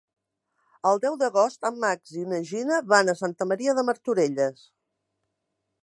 El deu d'agost en Max i na Gina van a Santa Maria de Martorelles.